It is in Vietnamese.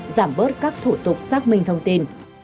giảm bớt các thủ tục xác minh thông tin